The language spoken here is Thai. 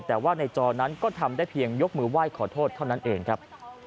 แต่ว่าในจอนั้นก็ทำได้เพียงยกมือไหว้ขอโทษเท่านั้นเองครับ